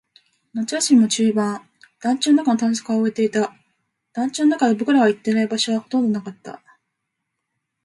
夏休みも中盤。団地の中の探索は終えていた。団地の中で僕らが行っていない場所はほとんどなかった。